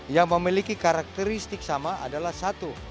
yang memiliki karakteristik sama adalah satu